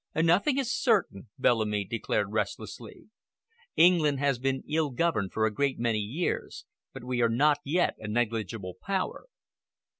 "Nothing is certain," Bellamy declared restlessly. "England has been ill governed for a great many years, but we are not yet a negligible Power."